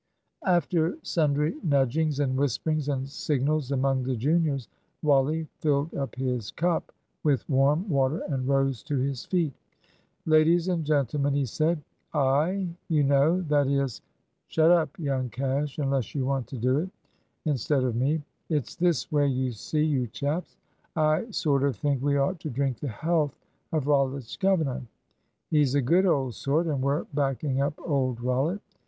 After sundry nudgings and whisperings and signals among the juniors, Wally filled up his cup with warm water and rose to his feet. "Ladies and gentlemen," he said, "I you know that is shut up, young Cash, unless you want to do it instead of me it's this way, you see, you chaps: I sort of think we ought to drink the health of Rollitt's governor. He's a good old sort, and we're backing up old Rollitt.